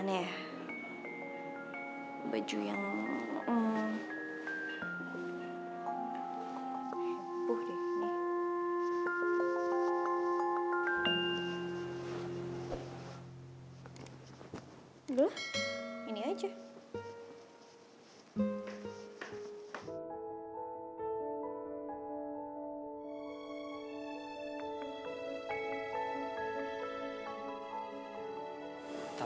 kalau bukan karena roman yang maksa